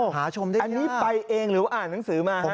หาชมได้ยะอันนี้ไปเองหรืออ่านหนังสือมาครับ